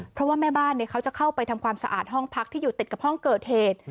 เพราะว่าแม่บ้านเขาจะเข้าไปทำความสะอาดห้องพักที่อยู่ติดกับห้องเกิดเหตุ